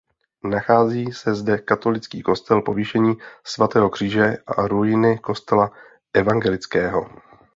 Nachází se zde katolický kostel Povýšení svatého Kříže a ruiny kostela evangelického.